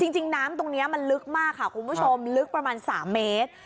จริงน้ำตรงนี้มันลึกมากค่ะคุณผู้ชมลึกประมาณ๓เมตร